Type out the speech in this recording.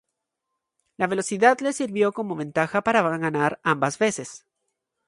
La velocidad le sirvió como ventaja para ganar ambas veces.